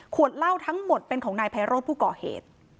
ขวดเล่าทั้งหมดเป็นของนายพัยรถผู้ก่อเหตุ